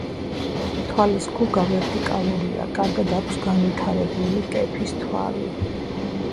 თვალის გუგა ვერტიკალურია, კარგად აქვს განვითარებული კეფის თვალი.